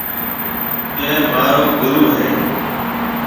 اَي مهارو گُرو هيَ۔